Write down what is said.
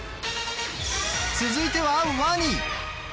続いてはワニ。